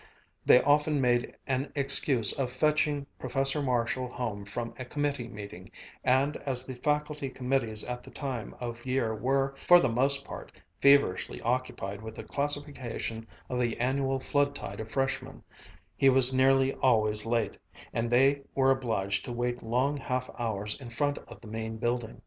They often made an excuse of fetching Professor Marshall home from a committee meeting, and as the faculty committees at that time of year were, for the most part, feverishly occupied with the classification of the annual flood tide of Freshmen, he was nearly always late, and they were obliged to wait long half hours in front of the Main Building.